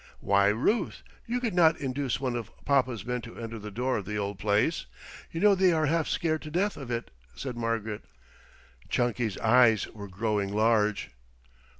"Why Ruth, you could not induce one of papa's men to enter the door of the old place. You know they are half scared to death of it," said Margaret. Chunky's eyes were growing large.